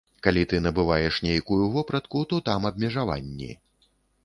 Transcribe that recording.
Калі ты набываеш нейкую вопратку, то там абмежаванні.